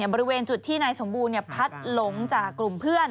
บริเวณจุดที่นายสมบูรณ์พัดหลงจากกลุ่มเพื่อน